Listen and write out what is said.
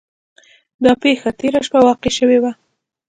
دا پیښه تیره شپه واقع شوې وه.